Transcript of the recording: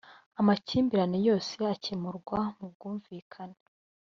amakimbirane yose akemurwa mu bwumvikane